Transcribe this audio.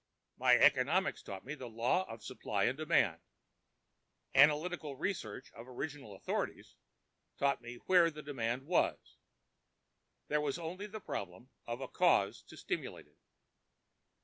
My economics taught me the 'law of supply and demand.' 'Analytical research of original authorities' taught me where the demand was. There was only the problem of a cause to stimulate it.